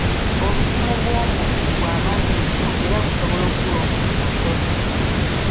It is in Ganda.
Obusimu bw'omubiri bwa maanyi nnyo, era busobola okusuula omuntu mu nsobi.